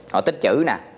họ tích chữ nè